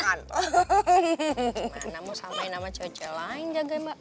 gimana mau samain sama cewek cewek lain jaga mbak